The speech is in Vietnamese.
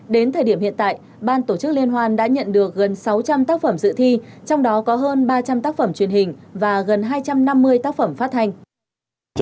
đến thời điểm hiện tại ban tổ chức liên hoan đã nhận được gần sáu trăm linh tác phẩm dự thi trong đó có hơn ba trăm linh tác phẩm truyền hình và gần hai trăm năm mươi tác phẩm phát hành